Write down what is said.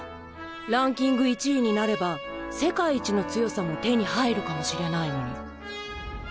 ランキング１位になれば世界一の強さも手に入るかもしれないのに。